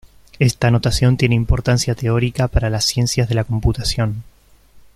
Esta notación tiene importancia teórica para las ciencias de la computación.